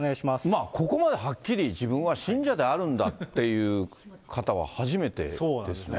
ここまではっきり自分は信者であるんだっていう方は初めてでそうなんですよね。